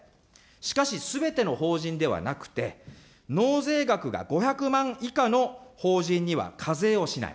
しかしすべての法人ではなくて、納税額が５００万以下の法人には課税をしない。